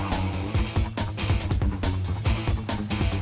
gak ada apa apa